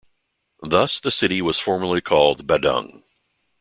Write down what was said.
Thus, the city was formerly called Badung.